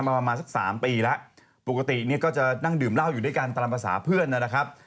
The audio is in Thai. ประมาณสักสามปีแล้วปกติเนี่ยก็จะนั่งดื่มเหล้าอยู่ด้วยกันตามภาษาเพื่อนนะครับ